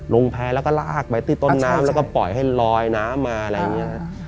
แพ้แล้วก็ลากไปที่ต้นน้ำแล้วก็ปล่อยให้ลอยน้ำมาอะไรอย่างนี้ครับ